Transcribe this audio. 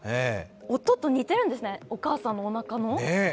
音と似てるんですね、お母さんのおなかの。